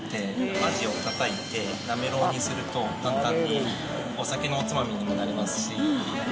アジをたたいてなめろうにすると、簡単にお酒のおつまみにもなりますし。